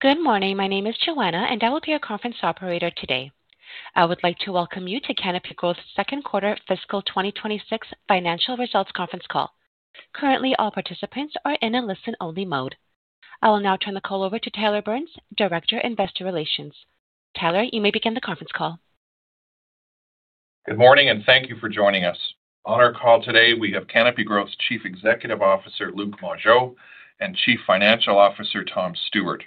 Good morning. My name is Joanna, and I will be your conference operator today. I would like to welcome you to Canopy Growth's second quarter fiscal 2026 financial results conference call. Currently, all participants are in a listen-only mode. I will now turn the call over to Tyler Burns, Director of Investor Relations. Tyler, you may begin the conference call. Good morning, and thank you for joining us. On our call today, we have Canopy Growth's Chief Executive Officer, Luc Mongeau, and Chief Financial Officer, Tom Stewart.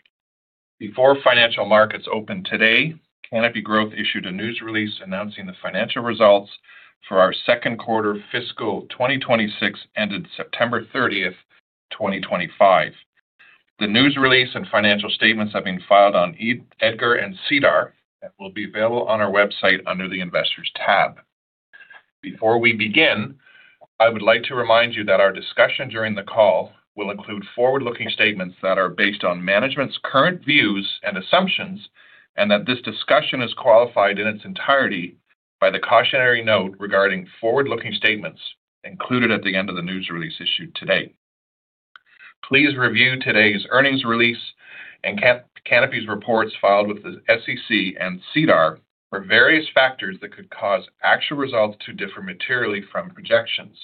Before financial markets opened today, Canopy Growth issued a news release announcing the financial results for our second quarter fiscal 2026 ended September 30th, 2025. The news release and financial statements have been filed on EDGAR and SEDAR and will be available on our website under the Investors tab. Before we begin, I would like to remind you that our discussion during the call will include forward-looking statements that are based on management's current views and assumptions, and that this discussion is qualified in its entirety by the cautionary note regarding forward-looking statements included at the end of the news release issued today. Please review today's earnings release and Canopy's reports filed with the SEC and SEDAR for various factors that could cause actual results to differ materially from projections.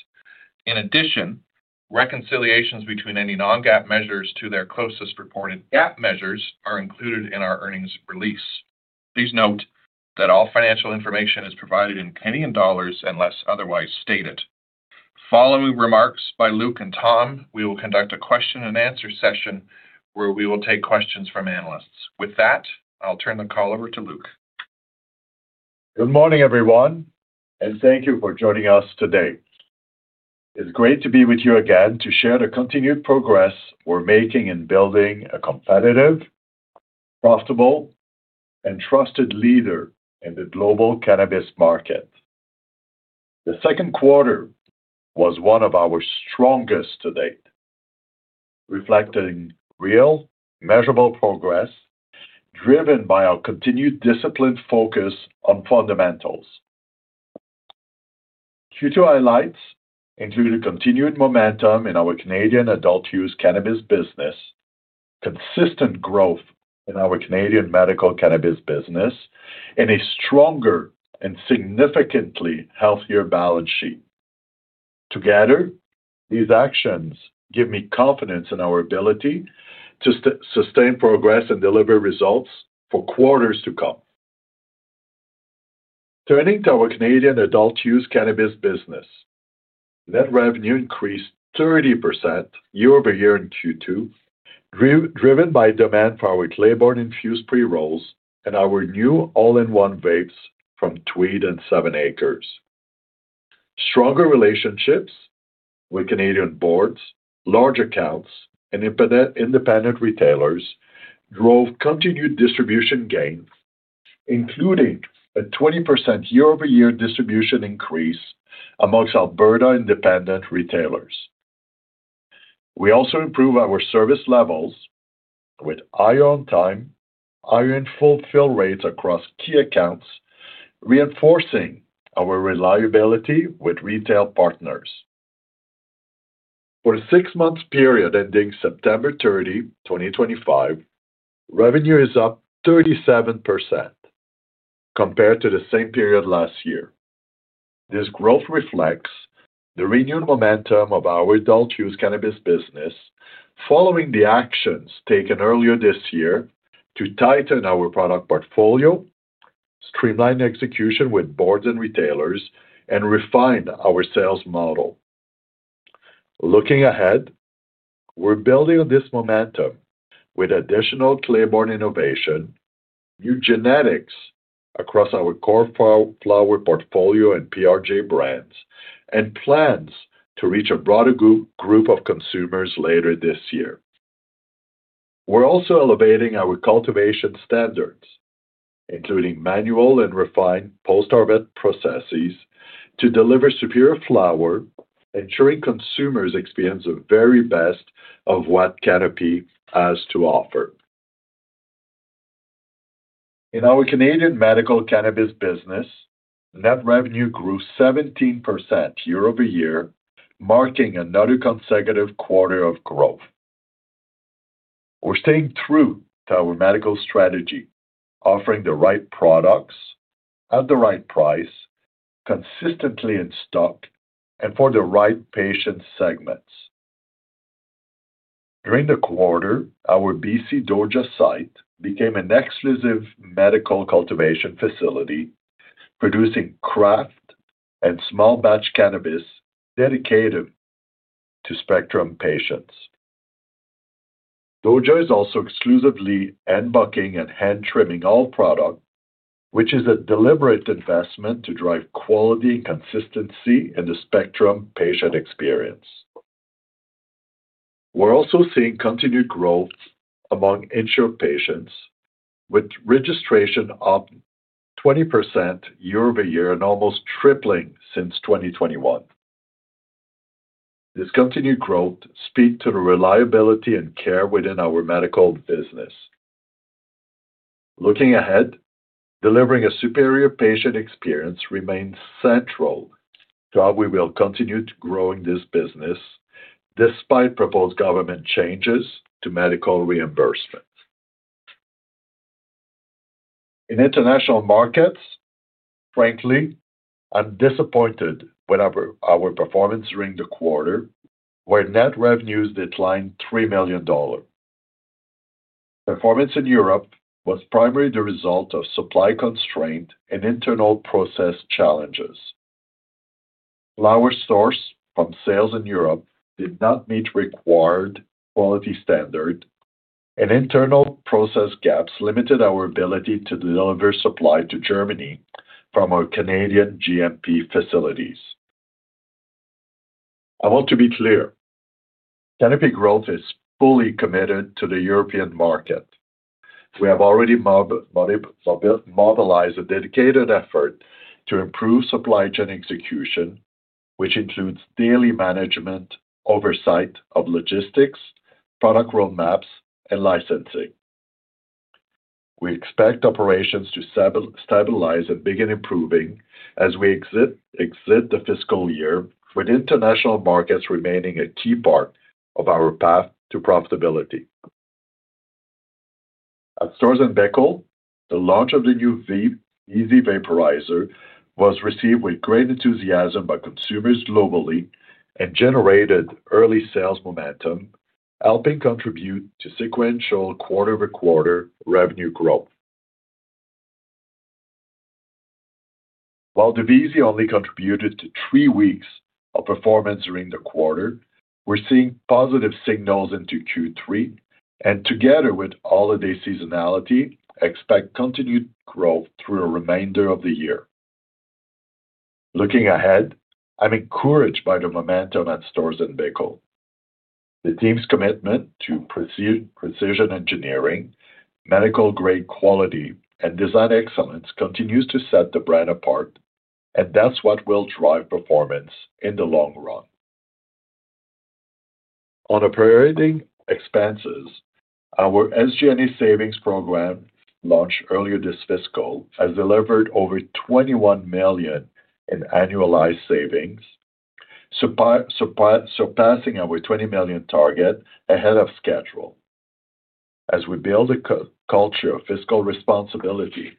In addition, reconciliations between any non-GAAP measures to their closest reported GAAP measures are included in our earnings release. Please note that all financial information is provided in CAD unless otherwise stated. Following remarks by Luc and Tom, we will conduct a question-and-answer session where we will take questions from analysts. With that, I'll turn the call over to Luc. Good morning, everyone, and thank you for joining us today. It's great to be with you again to share the continued progress we're making in building a competitive, profitable, and trusted leader in the global cannabis market. The second quarter was one of our strongest to date, reflecting real, measurable progress driven by our continued disciplined focus on fundamentals. Key highlights include a continued momentum in our Canadian adult-use cannabis business, consistent growth in our Canadian medical cannabis business, and a stronger and significantly healthier balance sheet. Together, these actions give me confidence in our ability to sustain progress and deliver results for quarters to come. Turning to our Canadian adult-use cannabis business, net revenue increased 30% year-over-year in Q2, driven by demand for our Claybourne-infused pre-rolls and our new all-in-one vapes from Tweed and 7ACRES. Stronger relationships with Canadian boards, large accounts, and independent retailers drove continued distribution gains, including a 20% year-over-year distribution increase amongst Alberta independent retailers. We also improved our service levels with eye-on-time, eye-in-full-fill rates across key accounts, reinforcing our reliability with retail partners. For a six-month period ending September 30, 2025, revenue is up 37% compared to the same period last year. This growth reflects the renewed momentum of our adult-use cannabis business following the actions taken earlier this year to tighten our product portfolio, streamline execution with boards and retailers, and refine our sales model. Looking ahead, we're building on this momentum with additional Claybourne innovation, new genetics across our core flower portfolio and PRJ brands, and plans to reach a broader group of consumers later this year. We're also elevating our cultivation standards, including manual and refined post-harvest processes, to deliver superior flower, ensuring consumers experience the very best of what Canopy has to offer. In our Canadian medical cannabis business, net revenue grew 17% year-over-year, marking another consecutive quarter of growth. We're staying true to our medical strategy, offering the right products at the right price, consistently in stock, and for the right patient segments. During the quarter, our B.C. Georgia site became an exclusive medical cultivation facility, producing craft and small-batch cannabis dedicated to Spectrum patients. Georgia is also exclusively bucking and hand-trimming all product, which is a deliberate investment to drive quality and consistency in the Spectrum patient experience. We're also seeing continued growth among insured patients, with registration up 20% year-over-year and almost tripling since 2021. This continued growth speaks to the reliability and care within our medical business. Looking ahead, delivering a superior patient experience remains central to how we will continue growing this business despite proposed government changes to medical reimbursements. In international markets, frankly, I'm disappointed with our performance during the quarter, where net revenues declined 3 million dollars. Performance in Europe was primarily the result of supply constraints and internal process challenges. Flower stores from sales in Europe did not meet required quality standards, and internal process gaps limited our ability to deliver supply to Germany from our Canadian GMP facilities. I want to be clear: Canopy Growth is fully committed to the European market. We have already mobilized a dedicated effort to improve supply chain execution, which includes daily management oversight of logistics, product roadmaps, and licensing. We expect operations to stabilize and begin improving as we exit the fiscal year, with international markets remaining a key part of our path to profitability. At Storz & Bickel, the launch of the new VEAZY Vaporizer was received with great enthusiasm by consumers globally and generated early sales momentum, helping contribute to sequential quarter-to-quarter revenue growth. While the VEAZY only contributed to three weeks of performance during the quarter, we're seeing positive signals into Q3, and together with holiday seasonality, I expect continued growth through the remainder of the year. Looking ahead, I'm encouraged by the momentum at Storz & Bickel. The team's commitment to precision engineering, medical-grade quality, and design excellence continues to set the brand apart, and that's what will drive performance in the long run. On operating expenses, our SG&A savings program, launched earlier this fiscal, has delivered over 21 million in annualized savings, surpassing our 20 million target ahead of schedule. As we build a culture of fiscal responsibility,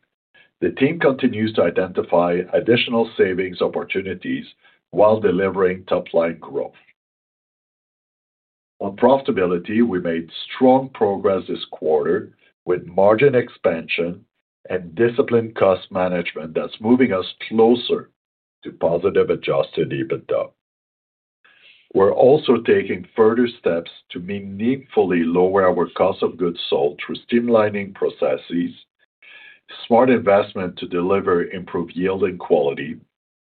the team continues to identify additional savings opportunities while delivering top-line growth. On profitability, we made strong progress this quarter with margin expansion and disciplined cost management that's moving us closer to positive adjusted EBITDA. We're also taking further steps to meaningfully lower our cost of goods sold through streamlining processes, smart investment to deliver improved yield and quality,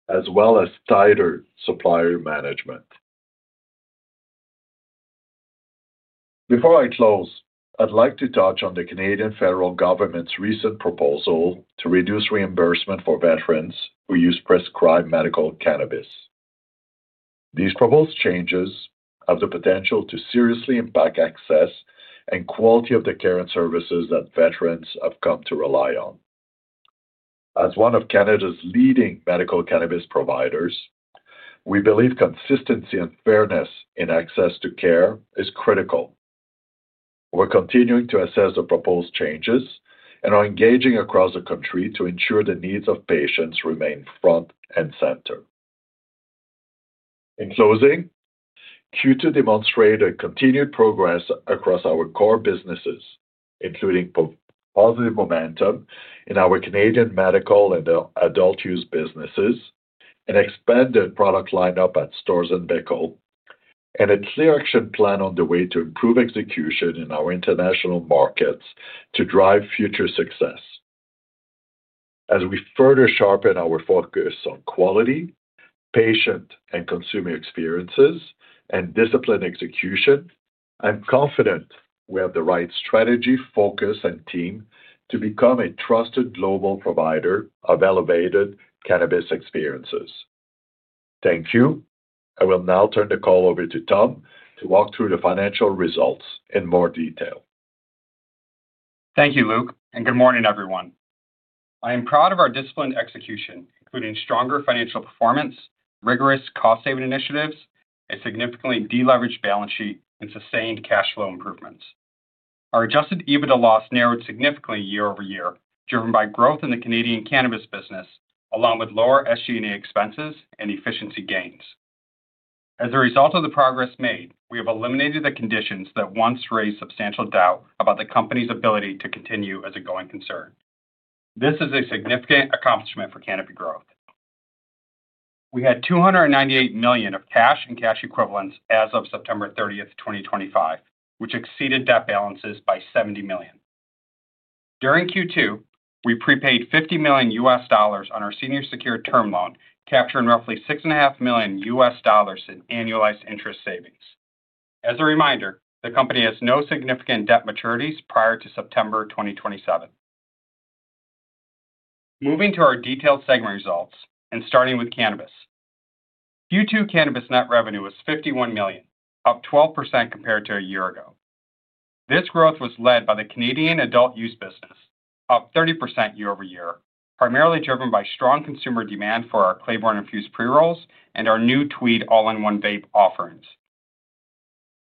as well as tighter supplier management. Before I close, I'd like to touch on the Canadian federal government's recent proposal to reduce reimbursement for veterans who use prescribed medical cannabis. These proposed changes have the potential to seriously impact access and quality of the care and services that veterans have come to rely on. As one of Canada's leading medical cannabis providers, we believe consistency and fairness in access to care is critical. We're continuing to assess the proposed changes and are engaging across the country to ensure the needs of patients remain front and center. In closing, Q2 demonstrated continued progress across our core businesses, including positive momentum in our Canadian medical and adult-use businesses, an expanded product lineup at Storz & Bickel, and a clear action plan on the way to improve execution in our international markets to drive future success. As we further sharpen our focus on quality, patient and consumer experiences, and disciplined execution, I'm confident we have the right strategy, focus, and team to become a trusted global provider of elevated cannabis experiences. Thank you. I will now turn the call over to Tom to walk through the financial results in more detail. Thank you, Luc, and good morning, everyone. I am proud of our disciplined execution, including stronger financial performance, rigorous cost-saving initiatives, a significantly deleveraged balance sheet, and sustained cash flow improvements. Our adjusted EBITDA loss narrowed significantly year-over-year, driven by growth in the Canadian cannabis business, along with lower SG&A expenses and efficiency gains. As a result of the progress made, we have eliminated the conditions that once raised substantial doubt about the company's ability to continue as a going concern. This is a significant accomplishment for Canopy Growth. We had 298 million of cash and cash equivalents as of September 30th, 2025, which exceeded debt balances by 70 million. During Q2, we prepaid $50 million on our senior secured term loan, capturing roughly $6.5 million in annualized interest savings. As a reminder, the company has no significant debt maturities prior to September 2027. Moving to our detailed segment results and starting with cannabis. Q2 cannabis net revenue was 51 million, up 12% compared to a year ago. This growth was led by the Canadian adult-use business, up 30% year-over-year, primarily driven by strong consumer demand for our Claybourne-infused pre-rolls and our new Tweed all-in-one vape offerings.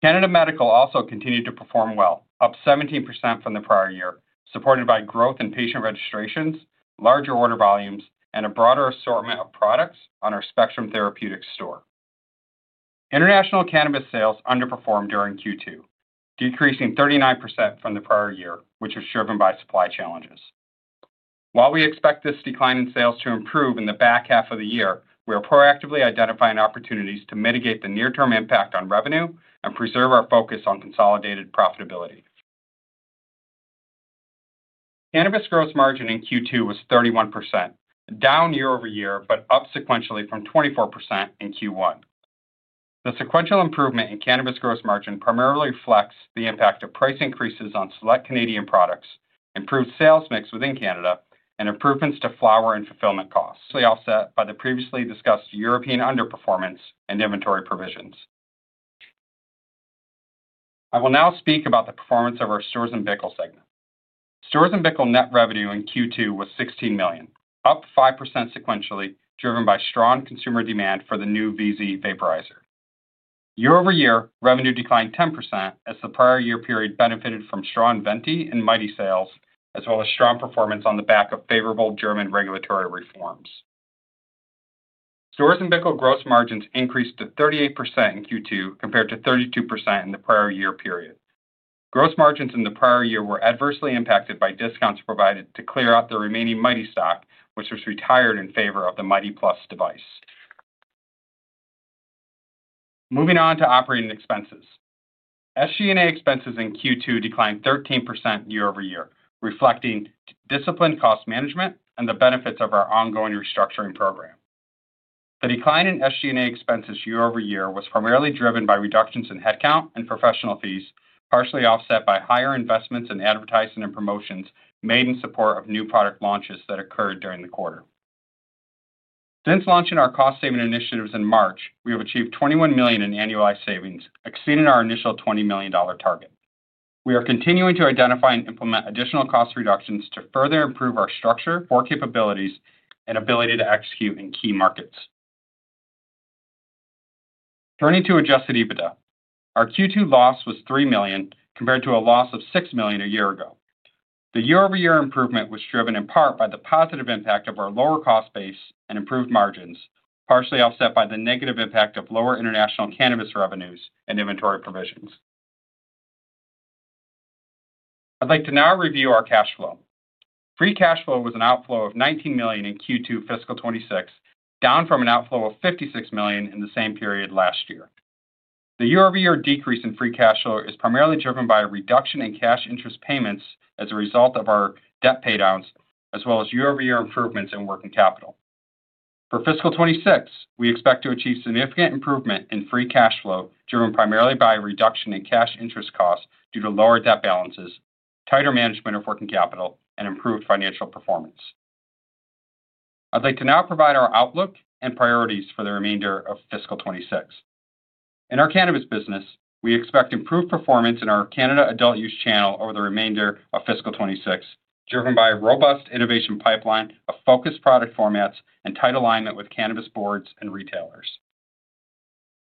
Canada Medical also continued to perform well, up 17% from the prior year, supported by growth in patient registrations, larger order volumes, and a broader assortment of products on our Spectrum therapeutic store. International cannabis sales underperformed during Q2, decreasing 39% from the prior year, which was driven by supply challenges. While we expect this decline in sales to improve in the back half of the year, we are proactively identifying opportunities to mitigate the near-term impact on revenue and preserve our focus on consolidated profitability. Cannabis gross margin in Q2 was 31%, down year-over-year, but up sequentially from 24% in Q1. The sequential improvement in cannabis gross margin primarily reflects the impact of price increases on select Canadian products, improved sales mix within Canada, and improvements to flower and fulfillment costs, offset by the previously discussed European underperformance and inventory provisions. I will now speak about the performance of our Storz & Bickel segment. Storz & Bickel net revenue in Q2 was 16 million, up 5% sequentially, driven by strong consumer demand for the new VEAZY Vaporizer. Year-over-year, revenue declined 10% as the prior year period benefited from strong Venty and Mighty sales, as well as strong performance on the back of favorable German regulatory reforms. Storz & Bickel gross margins increased to 38% in Q2 compared to 32% in the prior year period. Gross margins in the prior year were adversely impacted by discounts provided to clear out the remaining Mighty stock, which was retired in favor of the Mighty+ device. Moving on to operating expenses, SG&A expenses in Q2 declined 13% year-over-year, reflecting disciplined cost management and the benefits of our ongoing restructuring program. The decline in SG&A expenses year-over-year was primarily driven by reductions in headcount and professional fees, partially offset by higher investments in advertising and promotions made in support of new product launches that occurred during the quarter. Since launching our cost-saving initiatives in March, we have achieved 21 million in annualized savings, exceeding our initial 20 million dollar target. We are continuing to identify and implement additional cost reductions to further improve our structure, core capabilities, and ability to execute in key markets. Turning to adjusted EBITDA, our Q2 loss was $3 million compared to a loss of $6 million a year ago. The year-over-year improvement was driven in part by the positive impact of our lower cost base and improved margins, partially offset by the negative impact of lower international cannabis revenues and inventory provisions. I'd like to now review our cash flow. Free cash flow was an outflow of 19 million in Q2 fiscal 2026, down from an outflow of 56 million in the same period last year. The year-over-year decrease in free cash flow is primarily driven by a reduction in cash interest payments as a result of our debt paydowns, as well as year-over-year improvements in working capital. For fiscal 2026, we expect to achieve significant improvement in free cash flow, driven primarily by a reduction in cash interest costs due to lower debt balances, tighter management of working capital, and improved financial performance. I'd like to now provide our outlook and priorities for the remainder of fiscal 2026. In our cannabis business, we expect improved performance in our Canada adult-use channel over the remainder of fiscal 2026, driven by a robust innovation pipeline, a focused product formats, and tight alignment with cannabis boards and retailers.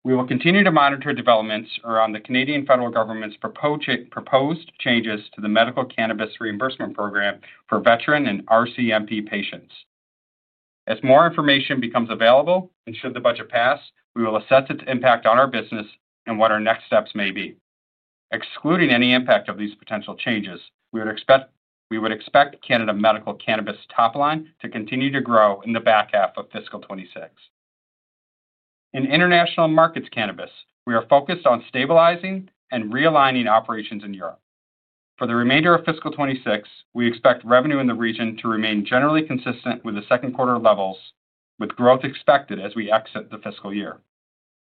We will continue to monitor developments around the Canadian federal government's proposed changes to the medical cannabis reimbursement program for veteran and RCMP patients. As more information becomes available and should the budget pass, we will assess its impact on our business and what our next steps may be. Excluding any impact of these potential changes, we would expect Canada medical cannabis top line to continue to grow in the back half of fiscal 2026. In international markets cannabis, we are focused on stabilizing and realigning operations in Europe. For the remainder of fiscal 2026, we expect revenue in the region to remain generally consistent with the second quarter levels, with growth expected as we exit the fiscal year.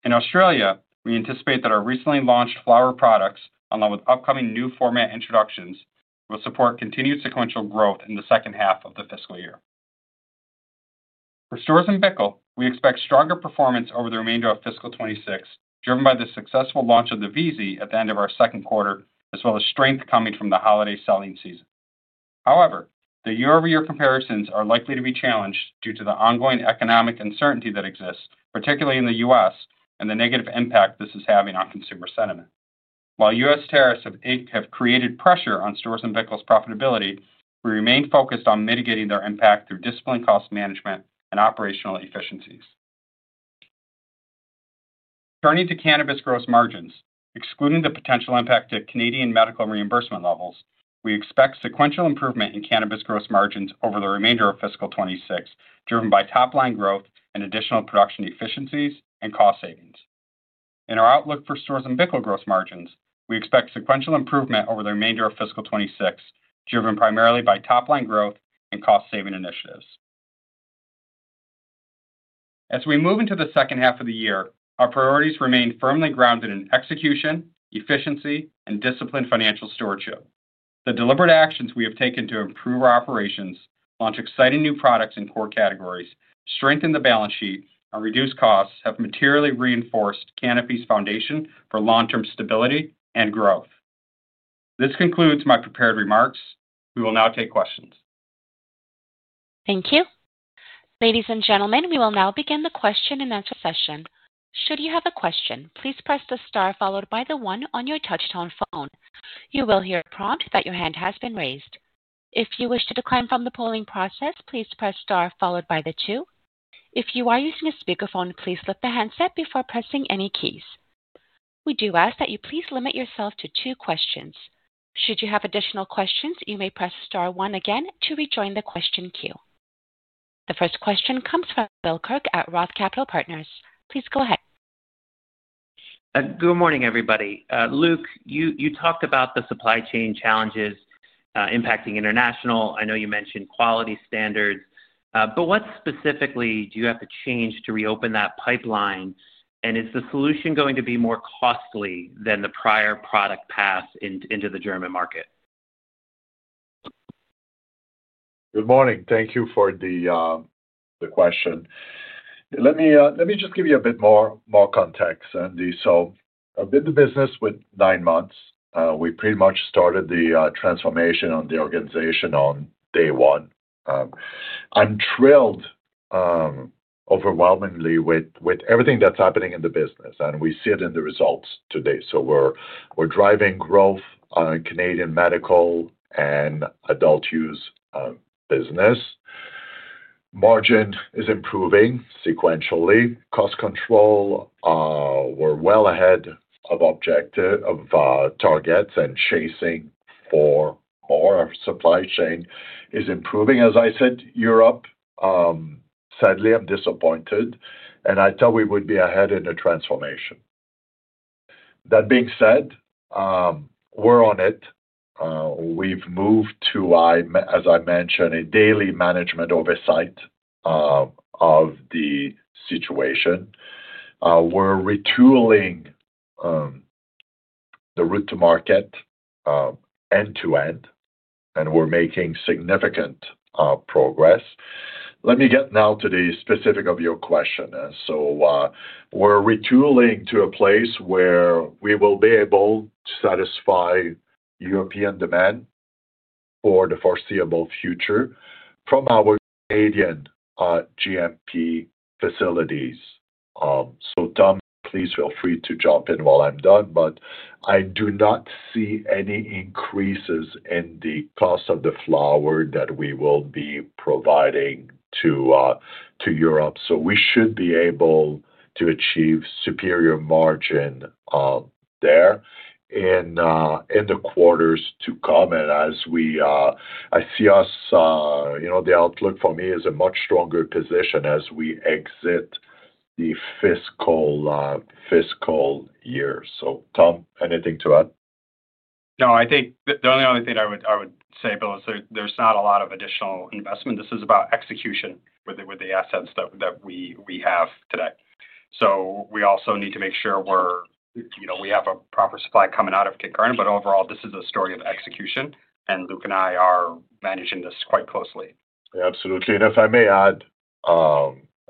In Australia, we anticipate that our recently launched flower products, along with upcoming new format introductions, will support continued sequential growth in the second half of the fiscal year. For Storz & Bickel, we expect stronger performance over the remainder of fiscal 2026, driven by the successful launch of the VEAZY at the end of our second quarter, as well as strength coming from the holiday selling season. However, the year-over-year comparisons are likely to be challenged due to the ongoing economic uncertainty that exists, particularly in the U.S., and the negative impact this is having on consumer sentiment. While U.S. tariffs have created pressure on Storz & Bickel's profitability, we remain focused on mitigating their impact through disciplined cost management and operational efficiencies. Turning to cannabis gross margins, excluding the potential impact to Canadian medical reimbursement levels, we expect sequential improvement in cannabis gross margins over the remainder of fiscal 2026, driven by top-line growth and additional production efficiencies and cost savings. In our outlook for Storz & Bickel gross margins, we expect sequential improvement over the remainder of fiscal 2026, driven primarily by top-line growth and cost-saving initiatives. As we move into the second half of the year, our priorities remain firmly grounded in execution, efficiency, and disciplined financial stewardship. The deliberate actions we have taken to improve our operations, launch exciting new products in core categories, strengthen the balance sheet, and reduce costs have materially reinforced Canopy's foundation for long-term stability and growth. This concludes my prepared remarks. We will now take questions. Thank you. Ladies and gentlemen, we will now begin the question-and-answer session. Should you have a question, please press the star followed by the one on your touch-tone phone. You will hear a prompt that your hand has been raised. If you wish to decline from the polling process, please press star followed by the two. If you are using a speakerphone, please lift the handset before pressing any keys. We do ask that you please limit yourself to two questions. Should you have additional questions, you may press star one again to rejoin the question queue. The first question comes from Bill Kirk at Roth Capital Partners. Please go ahead. Good morning, everybody. Luc, you talked about the supply chain challenges impacting international. I know you mentioned quality standards, but what specifically do you have to change to reopen that pipeline? Is the solution going to be more costly than the prior product path into the German market? Good morning. Thank you for the question. Let me just give you a bit more context, [Andy]. I have been in the business for nine months. We pretty much started the transformation on the organization on day one. I am thrilled overwhelmingly with everything that is happening in the business, and we see it in the results today. We are driving growth in the Canadian medical and adult-use business. Margin is improving sequentially. Cost control, we are well ahead of targets and chasing for more. Our supply chain is improving. As I said, Europe, sadly, I am disappointed, and I thought we would be ahead in the transformation. That being said, we are on it. We have moved to, as I mentioned, a daily management oversight of the situation. We are retooling the route to market end-to-end, and we are making significant progress. Let me get now to the specifics of your question. We're retooling to a place where we will be able to satisfy European demand for the foreseeable future from our Canadian GMP facilities. Tom, please feel free to jump in when I'm done, but I do not see any increases in the cost of the flower that we will be providing to Europe. We should be able to achieve superior margin there in the quarters to come. As I see us, the outlook for me is a much stronger position as we exit the fiscal year. Tom, anything to add? No, I think the only other thing I would say, Bill, is there's not a lot of additional investment. This is about execution with the assets that we have today. We also need to make sure we have a proper supply coming out of Leamington, but overall, this is a story of execution, and Luc and I are managing this quite closely. Absolutely. If I may add,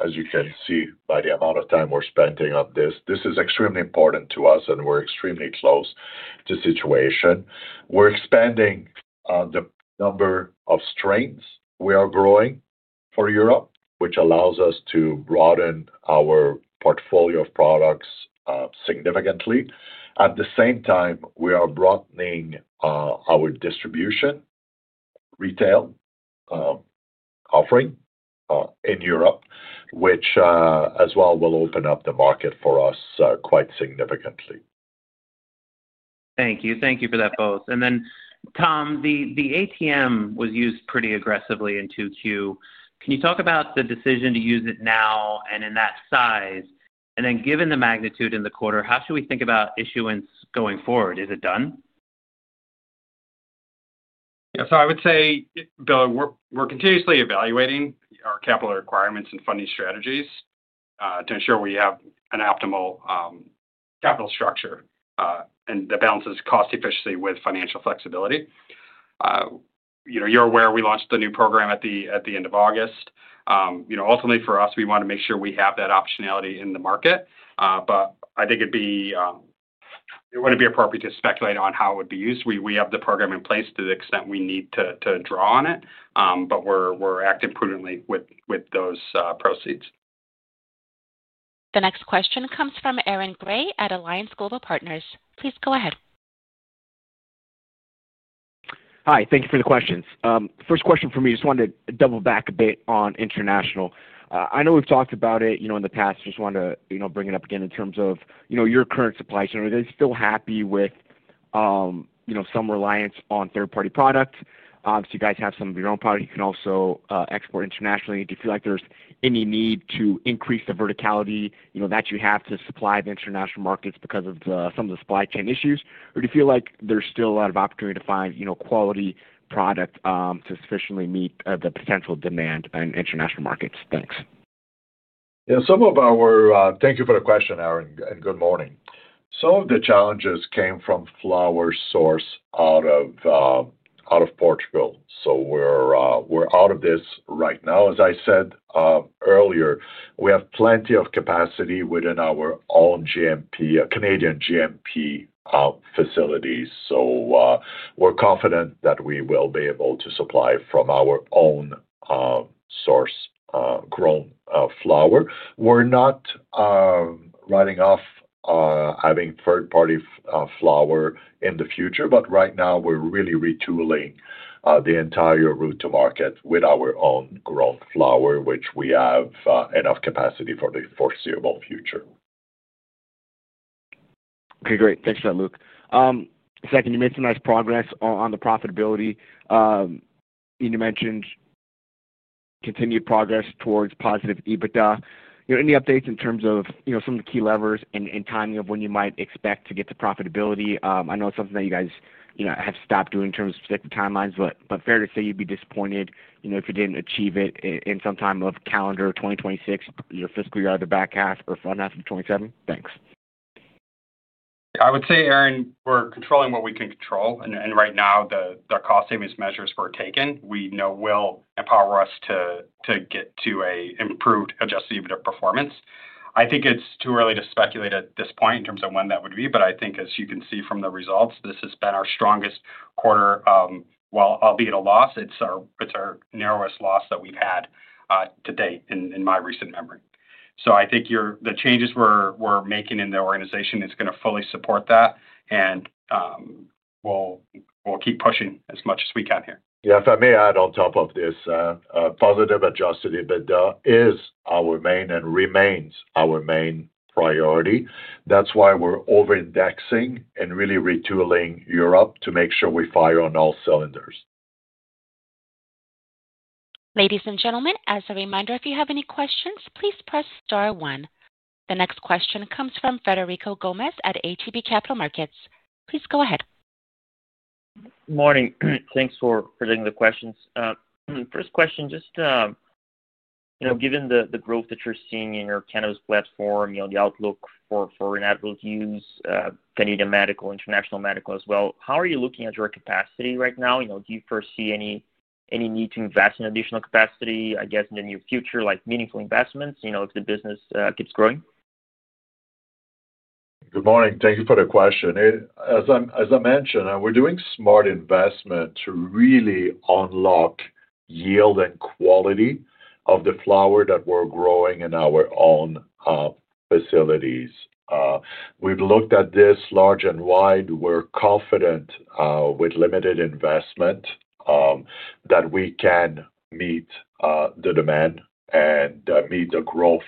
as you can see by the amount of time we're spending on this, this is extremely important to us, and we're extremely close to the situation. We're expanding the number of strains we are growing for Europe, which allows us to broaden our portfolio of products significantly. At the same time, we are broadening our distribution retail offering in Europe, which as well will open up the market for us quite significantly. Thank you. Thank you for that, both. Tom, the ATM was used pretty aggressively in Q2. Can you talk about the decision to use it now and in that size? Given the magnitude in the quarter, how should we think about issuance going forward? Is it done? Yeah. I would say, Bill, we're continuously evaluating our capital requirements and funding strategies to ensure we have an optimal capital structure and that balances cost efficiency with financial flexibility. You're aware we launched the new program at the end of August. Ultimately, for us, we want to make sure we have that optionality in the market, but I think it wouldn't be appropriate to speculate on how it would be used. We have the program in place to the extent we need to draw on it, but we're acting prudently with those proceeds. The next question comes from Aaron Gray at Alliance Global Partners. Please go ahead. Hi. Thank you for the questions. First question for me, just wanted to double back a bit on international. I know we've talked about it in the past. I just wanted to bring it up again in terms of your current supply chain. Are they still happy with some reliance on third-party products? So you guys have some of your own product. You can also export internationally. Do you feel like there's any need to increase the verticality that you have to supply the international markets because of some of the supply chain issues? Or do you feel like there's still a lot of opportunity to find quality product to sufficiently meet the potential demand in international markets? Thanks. Yeah. Some of our—thank you for the question, Aaron, and good morning. Some of the challenges came from flower source out of Portugal. We are out of this right now. As I said earlier, we have plenty of capacity within our own Canadian GMP facilities. We are confident that we will be able to supply from our own source-grown flower. We are not writing off having third-party flower in the future, but right now, we are really retooling the entire route to market with our own grown flower, which we have enough capacity for the foreseeable future. Okay. Great. Thanks for that, Luc. Second, you made some nice progress on the profitability. You mentioned continued progress towards positive EBITDA. Any updates in terms of some of the key levers and timing of when you might expect to get to profitability? I know it's something that you guys have stopped doing in terms of specific timelines, but fair to say you'd be disappointed if you didn't achieve it in some time of calendar 2026, your fiscal year either back half or front half of 2027? Thanks. I would say, Aaron, we're controlling what we can control. Right now, the cost savings measures we're taking we know will empower us to get to an improved adjusted EBITDA performance. I think it's too early to speculate at this point in terms of when that would be, but I think, as you can see from the results, this has been our strongest quarter, albeit a loss. It's our narrowest loss that we've had to date in my recent memory. I think the changes we're making in the organization is going to fully support that, and we'll keep pushing as much as we can here. Yeah. If I may add on top of this, positive adjusted EBITDA is our main and remains our main priority. That's why we're over-indexing and really retooling Europe to make sure we fire on all cylinders. Ladies and gentlemen, as a reminder, if you have any questions, please press star one. The next question comes from Frederico Gomes at ATB Capital Markets. Please go ahead. Morning. Thanks for taking the questions. First question, just given the growth that you're seeing in your cannabis platform, the outlook for inadvertent use, Canadian medical, international medical as well, how are you looking at your capacity right now? Do you foresee any need to invest in additional capacity, I guess, in the near future, like meaningful investments if the business keeps growing? Good morning. Thank you for the question. As I mentioned, we're doing smart investment to really unlock yield and quality of the flower that we're growing in our own facilities. We've looked at this large and wide. We're confident with limited investment that we can meet the demand and meet the growth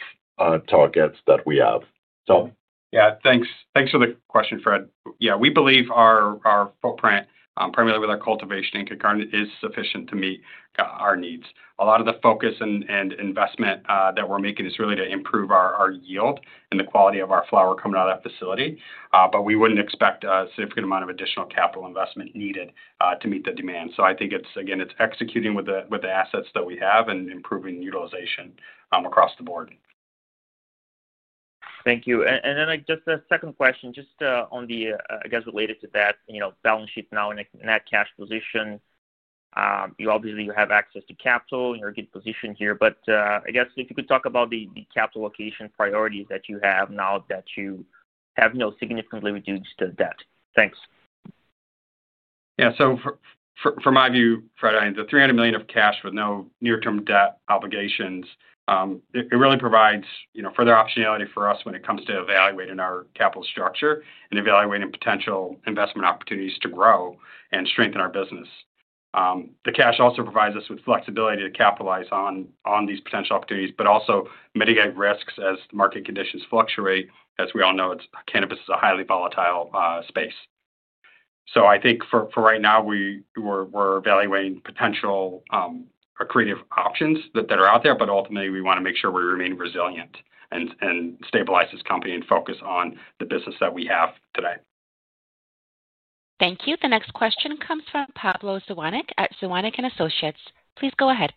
targets that we have. Tom? Yeah. Thanks for the question, Fred. Yeah. We believe our footprint, primarily with our cultivation in Kincardine, is sufficient to meet our needs. A lot of the focus and investment that we're making is really to improve our yield and the quality of our flower coming out of that facility, but we wouldn't expect a significant amount of additional capital investment needed to meet the demand. I think, again, it's executing with the assets that we have and improving utilization across the board. Thank you. Just a second question, just on the, I guess, related to that balance sheet now in that cash position. Obviously, you have access to capital, and you're in a good position here, but I guess if you could talk about the capital allocation priorities that you have now that you have no significant leverage to that. Thanks. Yeah. From my view, Fred, the 300 million of cash with no near-term debt obligations really provides further optionality for us when it comes to evaluating our capital structure and evaluating potential investment opportunities to grow and strengthen our business. The cash also provides us with flexibility to capitalize on these potential opportunities, but also mitigate risks as the market conditions fluctuate. As we all know, cannabis is a highly volatile space. I think for right now, we're evaluating potential creative options that are out there, but ultimately, we want to make sure we remain resilient and stabilize this company and focus on the business that we have today. Thank you. The next question comes from Pablo Zuanic at Zuanic & Associates. Please go ahead.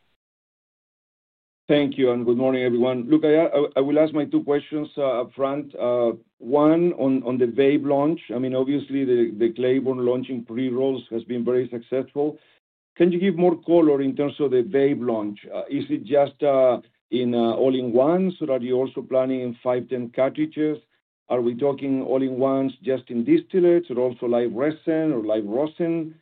Thank you. Good morning, everyone. Luc, I will ask my two questions upfront. One, on the vape launch. I mean, obviously, the Claybourne launching pre-rolls has been very successful. Can you give more color in terms of the vape launch? Is it just in all-in-one? Are you also planning in 510 cartridges? Are we talking all-in-ones just in distillates or also live resin or live rosin,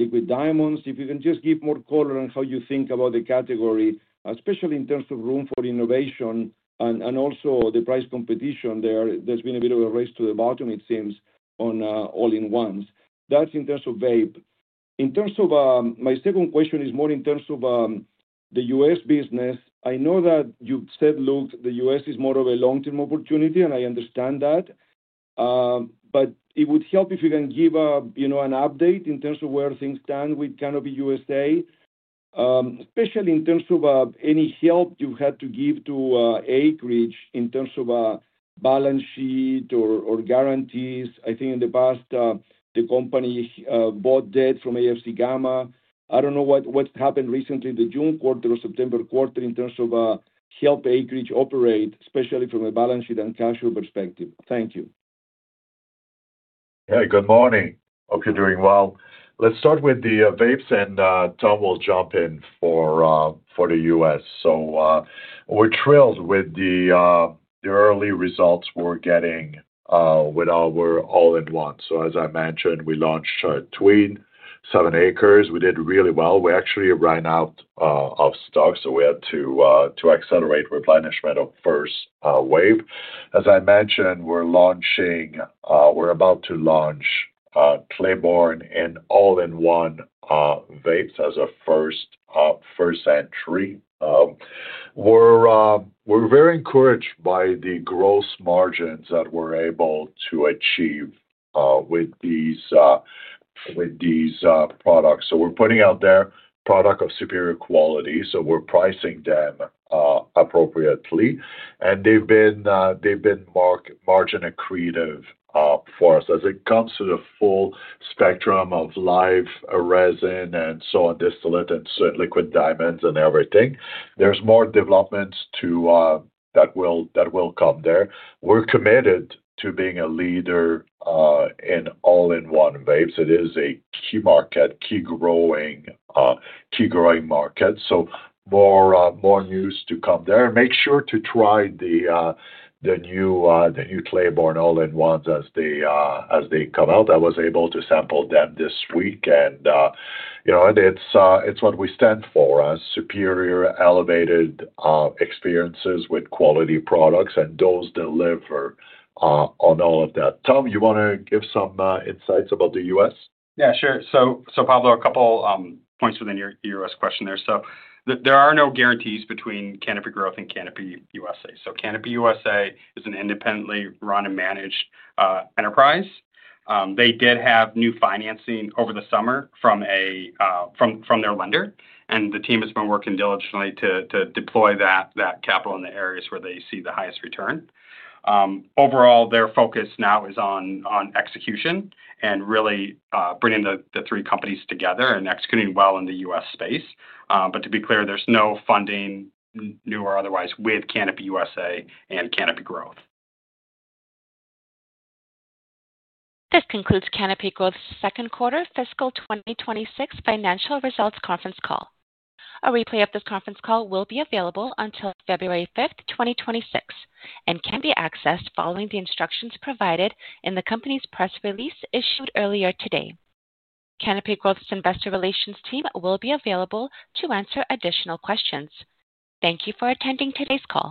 liquid diamonds? If you can just give more color on how you think about the category, especially in terms of room for innovation and also the price competition there, there has been a bit of a race to the bottom, it seems, on all-in-ones. That is in terms of vape. My second question is more in terms of the US business. I know that you've said, Luc, the U.S. is more of a long-term opportunity, and I understand that, but it would help if you can give an update in terms of where things stand with Canopy USA, especially in terms of any help you've had to give to Acreage in terms of a balance sheet or guarantees. I think in the past, the company bought debt from AFC Gamma. I don't know what's happened recently, the June quarter or September quarter, in terms of helping Acreage operate, especially from a balance sheet and cash flow perspective. Thank you. Hey, good morning. Hope you're doing well. Let's start with the vapes, and Tom will jump in for the U.S. We're thrilled with the early results we're getting with our all-in-one. As I mentioned, we launched Tweed, 7ACRES. We did really well. We actually ran out of stock, so we had to accelerate replenishment of first wave. As I mentioned, we're about to launch Claybourne in all-in-one vapes as a first entry. We're very encouraged by the gross margins that we're able to achieve with these products. We're putting out their product of superior quality. We're pricing them appropriately. They've been marginally accretive for us. As it comes to the full spectrum of live resin and so on, distillate and liquid diamonds and everything, there's more developments that will come there. We're committed to being a leader in all-in-one vapes. It is a key market, key growing market. More news to come there. Make sure to try the new Claybourne all-in-ones as they come out. I was able to sample them this week, and it's what we stand for: superior, elevated experiences with quality products, and those deliver on all of that. Tom, you want to give some insights about the U.S.? Yeah, sure. Pablo, a couple of points within your U.S. question there. There are no guarantees between Canopy Growth and Canopy USA. Canopy USA is an independently run and managed enterprise. They did have new financing over the summer from their lender, and the team has been working diligently to deploy that capital in the areas where they see the highest return. Overall, their focus now is on execution and really bringing the three companies together and executing well in the U.S. space. To be clear, there is no funding, new or otherwise, with Canopy USA and Canopy Growth. This concludes Canopy Growth's second quarter fiscal 2026 financial results conference call. A replay of this conference call will be available until February 5th, 2026, and can be accessed following the instructions provided in the company's press release issued earlier today. Canopy Growth's investor relations team will be available to answer additional questions. Thank you for attending today's call.